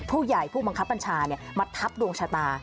ผู้ใหญ่ผู้บังคับปัญชามัดทับดวงชะตา